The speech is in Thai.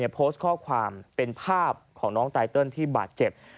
โพสต์ข้อความเป็นภาพของน้องไตเติลที่บาดเจ็บ